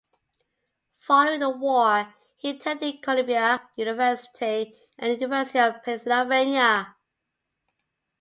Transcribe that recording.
Following the war, he attended Columbia University and the University of Pennsylvania.